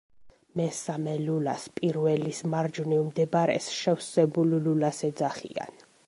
მესამე ლულას, პირველის მარჯვნივ მდებარეს, შევსებულ ლულას ეძახიან.